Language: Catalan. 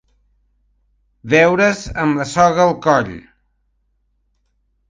Veure's amb la soga al coll.